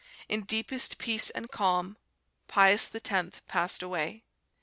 in deepest peace and calm, Pius X passed away.